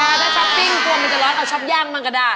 ถ้าช้อปปิ้งกลัวมันจะร้อนเอาช็อปย่างบ้างก็ได้